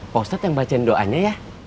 pak ustadz yang bacain doanya ya